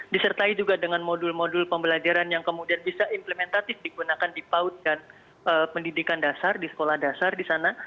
disertai juga dengan modul modul pembelajaran yang kemudian bisa implementatif digunakan di paut dan pendidikan dasar di sekolah dasar di sana